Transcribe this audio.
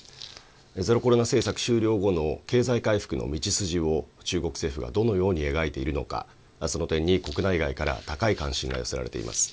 ゼロコロナ政策終了後の経済回復の道筋を中国政府がどのように描いているのか、その点に国内外から高い関心が寄せられています。